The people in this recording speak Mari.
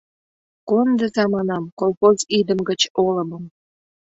— Кондыза, манам, колхоз идым гыч олымым!